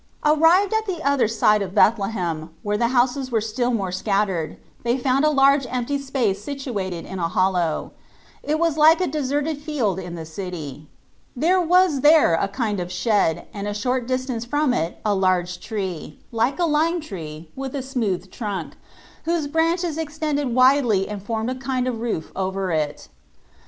Arrived at the other side of Bethlehem, where the houses were still more scattered, they found a large empty space situated in a hollow ; it was like a deserted field in the city. There was there a kind of shed, and a short distance from it a large tree, like a lime tree, with a smooth trunk, whose branches extended widely and formed a kind of roof over it.